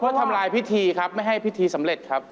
เพื่อทำลายพิธีครับไม่ให้พิธีสำเร็จครับ